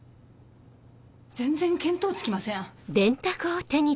全然見当つきません。